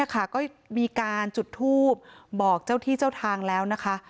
ก็มีการจุดทูบบอกเจ้าที่เจ้าทางแล้วนะคะ